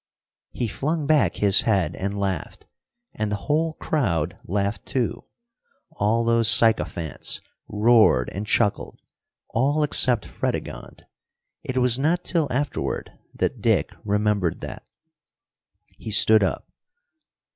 He flung back his head and laughed, and the whole crowd laughed too. All those sycophants roared and chuckled all except Fredegonde. It was not till afterward that Dick remembered that. He stood up.